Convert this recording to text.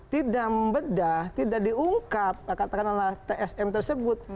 tidak membedah tidak diungkap katakanlah tsm tersebut